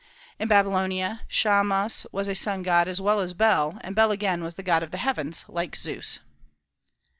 In Babylonia, Shamas was a sun god as well as Bel; and Bel again was the god of the heavens, like Zeus.